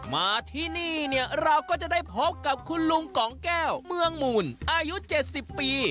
มาที่นี่เนี่ยเราก็จะได้พบกับคุณลุงกองแก้วเมืองหมู่อายุ๗๐ปี